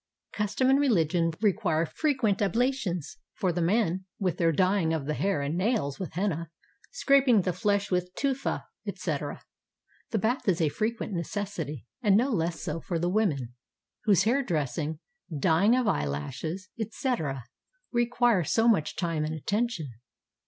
Custom and religion require frequent ablutions. For the men, with their dyeing of the hair and nails with henna, scraping the flesh with tufa, etc., the bath is a frequent necessity, and no less so for the women, whose hair dressing, dyeing of eyelashes, etc., require so much time and attention.